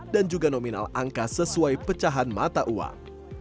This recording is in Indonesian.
dan juga nominal angka sesuai pecahan mata uang